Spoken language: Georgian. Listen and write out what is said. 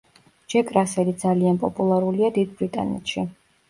ჯეკ რასელი ძალიან პოპულარულია დიდ ბრიტანეთში.